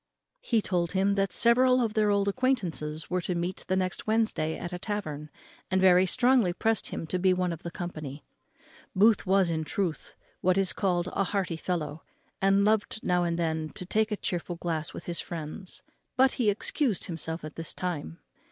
He told him that several of their old acquaintance were to meet the next Wednesday at a tavern, and very strongly pressed him to be one of the company. Booth was, in truth, what is called a hearty fellow, and loved now and then to take a chearful glass with his friends; but he excused himself at this time.